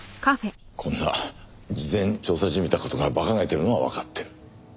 こんな事前調査じみた事がバカげてるのはわかってる。